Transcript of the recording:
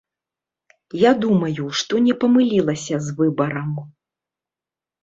Я думаю, што не памылілася з выбарам.